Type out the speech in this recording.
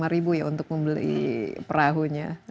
rp empat puluh lima ya untuk membeli perahunya